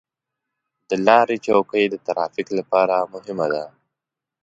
د لارې چوکۍ د ترافیک لپاره مهمه ده.